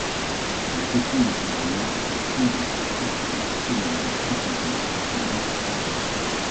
À l'exception de cette dernière leurs sonorités peuvent semer la confusion chez les anglophones.